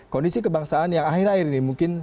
kondisi kebangsaan yang akhir akhir ini mungkin